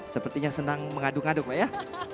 sepertinya senang mengaduk ngaduk pak ya